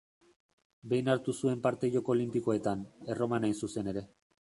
Behin hartu zuen parte Joko Olinpikoetan: Erroman hain zuzen ere.